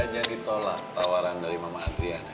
jangan ditolak tawaran dari mama adriana